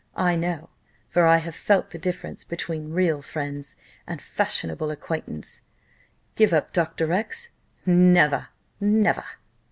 I know, for I have felt, the difference between real friends and fashionable acquaintance. Give up Dr. X ! Never! never!"